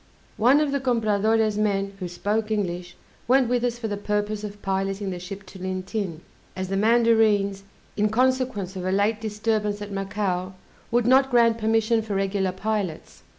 One of the Compradore's men who spoke English went with us for the purpose of piloting the ship to Lintin, as the Mandarines, in consequence of a late disturbance at Macao, would not grant permission for regular pilots.